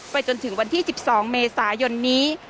จนถึงวันที่๑๒เมษายนนี้